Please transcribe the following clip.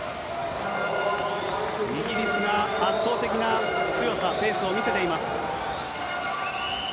イギリスが圧倒的な強さ、ペースを見せています。